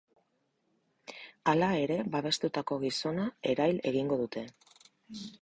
Hala ere, babestutako gizona erail egingo dute.